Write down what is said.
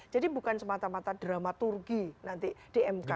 jadi bukan semata mata dramaturgi nanti di mk